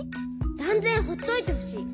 だんぜんほっといてほしい。